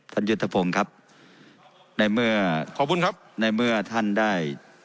ยุทธพงศ์ครับในเมื่อขอบคุณครับในเมื่อท่านได้